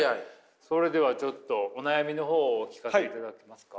それではちょっとお悩みのほうをお聞かせいただけますか。